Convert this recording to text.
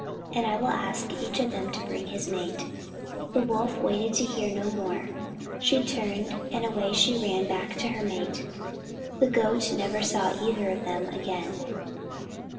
And I will ask each of them to bring his mate." The Wolf waited to hear no more. She turned, and away she ran back to her mate. The Goat never saw either of them again.